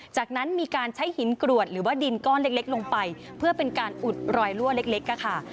จากนั้นมีการใช้หินกรวดหรือว่าดินก้อนเล็กลงไปเพื่อเป็นการอุดรอยรั่วเล็กค่ะ